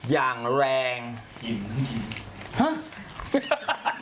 มึงจริงอ่ะ